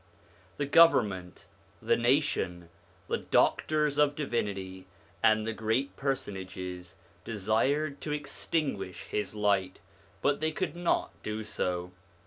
The government, the nation, the doctors of divinity, and the great personages, desired to extinguish his light, but they could not do so.